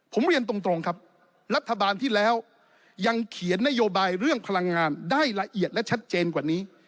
ผมเรียนตรงครับรัฐบาลที่แล้วยังเขียนนโยบายเรื่องพลังงานได้ละเอียดและชัดเจนกว่านี้